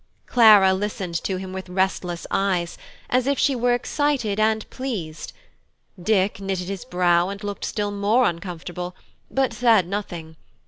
Clara listened to him with restless eyes, as if she were excited and pleased; Dick knitted his brow and looked still more uncomfortable, but said nothing.